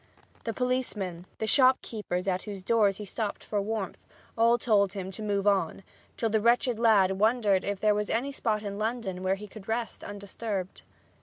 The policeman, the shopkeepers at whose doors he stopped for warmth, all told him to "move on," till the wretched lad wondered if there was any spot in London where he could rest undisturbed.